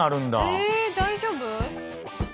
え大丈夫？